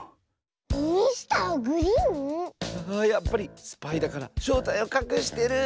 やっぱりスパイだからしょうたいをかくしてる！